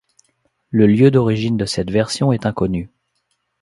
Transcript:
Le lieu d'origine de cette version est inconnu.